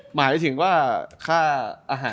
หมายถึงว่าค่าอาหาร